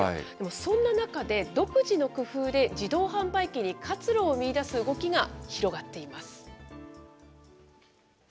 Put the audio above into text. そんな中で、独自の工夫で自動販売機に活路を見いだす動きが広がっています。